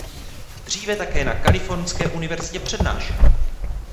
Dříve také na Kalifornské univerzitě přednášel.